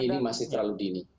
ini masih terlalu dingin